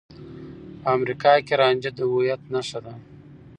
په امريکا کې رانجه د هويت نښه ده.